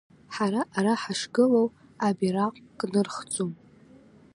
Ҳара ара ҳашгылоу, абираҟ кнырхӡом…